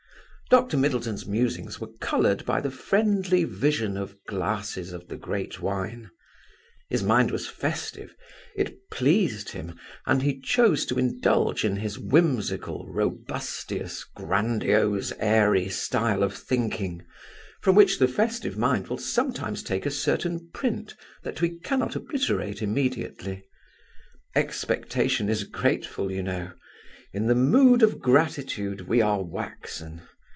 Dr Middleton's musings were coloured by the friendly vision of glasses of the great wine; his mind was festive; it pleased him, and he chose to indulge in his whimsical, robustious, grandiose airy style of thinking: from which the festive mind will sometimes take a certain print that we cannot obliterate immediately. Expectation is grateful, you know; in the mood of gratitude we are waxen.